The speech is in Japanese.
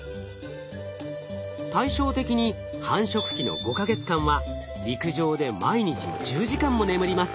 対照的に繁殖期の５か月間は陸上で毎日１０時間も眠ります。